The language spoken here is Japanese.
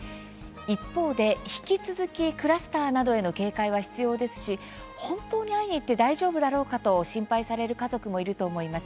一方で、引き続きクラスターなどへの警戒は必要ですし本当に会いに行って大丈夫だろうかと心配される家族もいると思います。